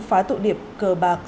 phá tụ điệp cờ bạc